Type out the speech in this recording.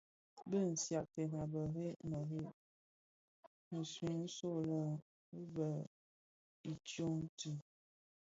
Bi nshyakten a bërëg bërëg wui nso lè bi bèň i tsoň tii.